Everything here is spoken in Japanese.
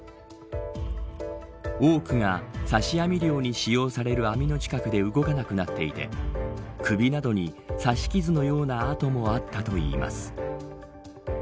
多くがさし網漁に使用される網の近くで動かなくなっていて首などに刺し傷のような痕もあったといいます。